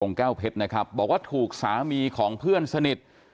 แก้วเพชรนะครับบอกว่าถูกสามีของเพื่อนสนิท